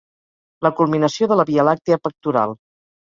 La culminació de la via làctia pectoral.